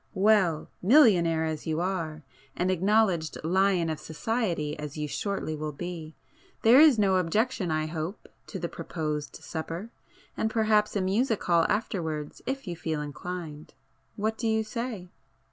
Well!—millionaire as you are, and acknowledged lion of society as you shortly will be, there is no objection I hope, to the proposed supper? And perhaps a music hall afterwards if you feel inclined,—what do you say?"